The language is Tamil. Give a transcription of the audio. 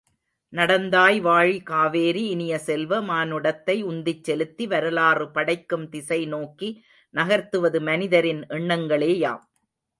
நடந்தாய் வாழி காவேரி இனிய செல்வ, மானுடத்தை உந்திச்செலுத்தி வரலாறு படைக்கும் திசைநோக்கி நகர்த்துவது மனிதரின் எண்ணங்களேயாம்.